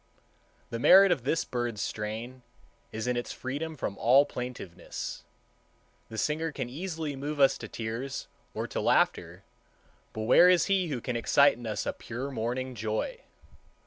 The merit of this bird's strain is in its freedom from all plaintiveness. The singer can easily move us to tears or to laughter, but where is he who can excite in us a pure morning joy?